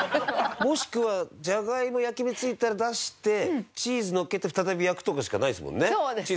もしくはジャガイモ焼き目ついたら出してチーズのっけて再び焼くとかしかないですもんね。